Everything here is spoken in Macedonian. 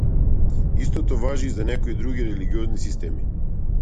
Истото важи и за некои други религиозни системи.